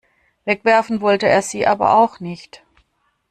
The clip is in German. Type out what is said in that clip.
Wegwerfen wollte er sie aber auch nicht.